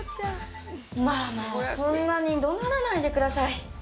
まあまあそんなに怒鳴らないでください。